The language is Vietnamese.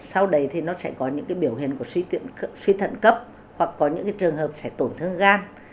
sau đấy thì nó sẽ có những cái biểu hiện của suy thận cấp hoặc có những cái trường hợp sẽ tổn thương gan